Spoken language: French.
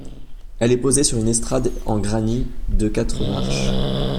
Elle est posée sur une estrade en granit de quatre marches.